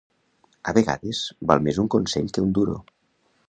A vegades val més un consell que un duro.